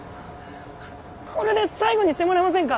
これで最後にしてもらえませんか？